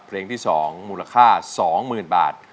เพลงที่๒มูลค่า๒๐๐๐บาท